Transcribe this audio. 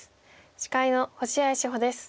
司会の星合志保です。